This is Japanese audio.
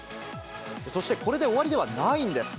そして、これで終わりではないんです。